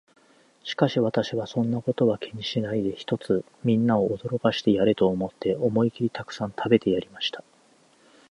しかし私は、そんなことは気にしないで、ひとつみんなを驚かしてやれと思って、思いきりたくさん食べてやりました。